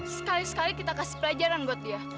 sekali sekali kita kasih pelajaran buat dia